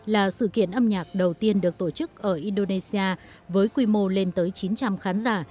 là sự kiện âm nhạc đầu tiên được tổ chức ở indonesia với quy mô lên tới chín trăm linh khán giả